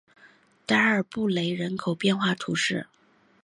达尔布雷人口变化图示